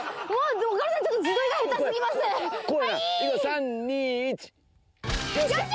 ３・２・１！